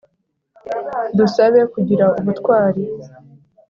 dusabe kugira ubutwari